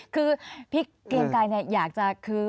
คือพี่เกรงกายเนี่ยอยากจะคือ